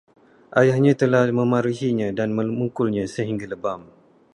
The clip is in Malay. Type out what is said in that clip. Ayahnya telah memarahinya dan memukulnya sehingga lebam